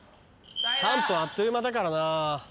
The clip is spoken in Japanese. ３分あっという間だからなぁ。